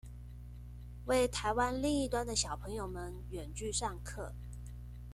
為臺灣另一端的小朋友們遠距上課